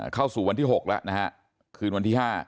เข้าสู่วันที่๖แล้วนะฮะคืนวันที่๕